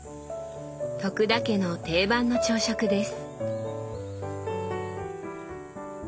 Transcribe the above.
田家の定番の朝食です。